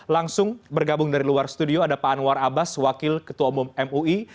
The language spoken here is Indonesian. langsung bergabung dari luar studio ada pak anwar abbas wakil ketua umum mui